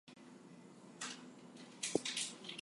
She replaces Edric-O.